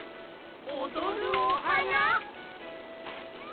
おどるおはな？